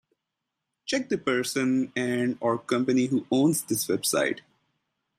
Check the person and/or company who owns this website.